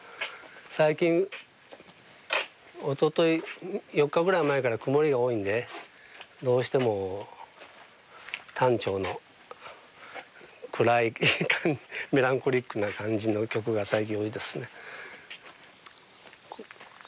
最近おととい４日くらい前から曇りが多いんでどうしても短調の暗いメランコリックな感じの曲が最近多いですね。